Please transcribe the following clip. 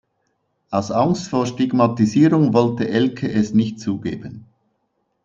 Aus Angst vor Stigmatisierung wollte Elke es nicht zugeben.